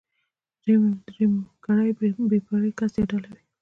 درېمګړی بې پرې کس يا ډله وي.